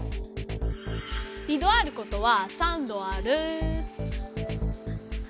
二度あることは三度ある。